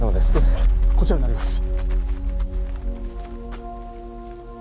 こちらになります。